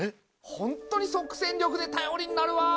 ホントに即戦力で頼りになるわぁ。